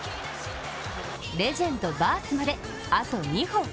レジェンド、バースまで、あと２本。